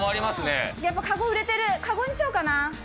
やっぱり籠売れてる、籠にしようかな。